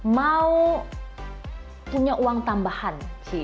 mau punya uang tambahan